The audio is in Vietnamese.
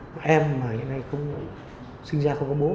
một em mà hiện nay sinh ra không có bố